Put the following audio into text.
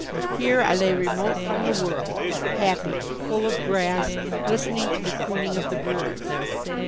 Here I lay remote from the world, happy, full of grass, listening to the crooning of the birds.